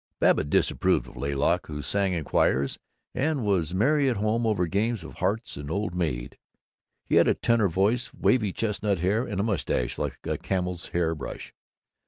Babbitt disapproved of Laylock, who sang in choirs and was merry at home over games of Hearts and Old Maid. He had a tenor voice, wavy chestnut hair, and a mustache like a camel's hair brush.